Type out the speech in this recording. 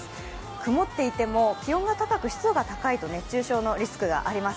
曇っていても気温が高く湿度が高いと熱中症のリスクがあります。